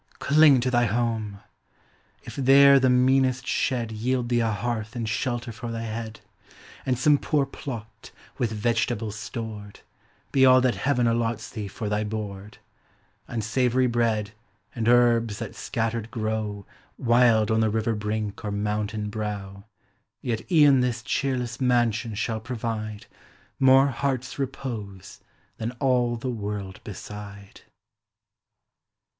Cling to thy home! if there the meanest shed Yield thee a hearth and shelter for thy head, And some poor plot, with vegetables stored, lie all that Heaven allots thee for thv board, I'lisavorv bread, and herbs that sea tiered grov Wild on the river brink or mountain brow. Vet e'en this cheerless mansion shall provide More heart's repose than all the world beside.